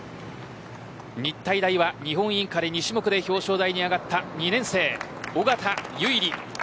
日体大は日本インカレ２種目で表彰台に上がった２年生尾方唯莉。